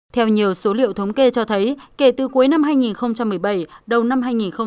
theo nhiều số liệu thống kê cho thấy kể từ cuối năm hai nghìn một mươi bảy đầu năm hai nghìn một mươi tám